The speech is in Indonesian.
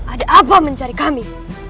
ada apa mencari kami